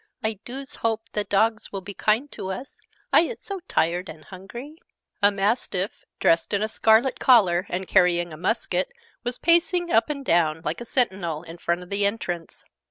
"I doos hope the Dogs will be kind to us, I is so tired and hungry!" A Mastiff, dressed in a scarlet collar, and carrying a musket, was pacing up and down, like a sentinel, in front of the entrance.